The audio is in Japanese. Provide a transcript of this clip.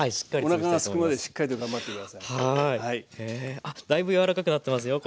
あっだいぶ柔らかくなってますよこちら。